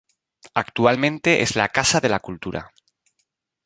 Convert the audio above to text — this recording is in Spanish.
Actualmente es la Casa de la Cultura.